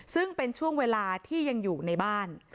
ซึ่งเป็นช่วงเวลาที่ยังอยู่ในบ้าน